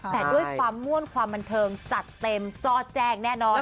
แต่ด้วยความม่วนความบันเทิงจัดเต็มซ่อแจ้งแน่นอน